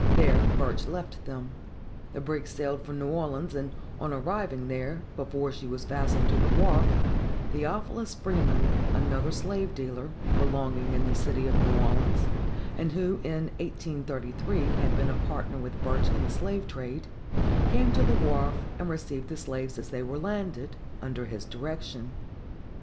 There Burch left them. Tho brig sailed for New Orleans, and on arriving there, before she was fastened to the wharf, Theophilus Freeman, another slave dealer, belonging in the city of New Orleans, and who in 1833 had been a partner with Burch in the slavetrade, came to the wharf, and received the slaves as they were landed, under his direction.